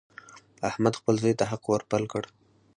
احمد خپل زوی ته حق ور پل کړ.